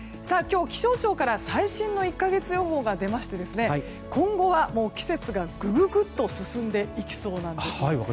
今日、気象庁から最新の１か月予報が出まして今後は、もう季節がぐぐぐっと進んでいきそうなんです。